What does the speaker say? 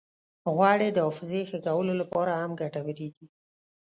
غوړې د حافظې ښه کولو لپاره هم ګټورې دي.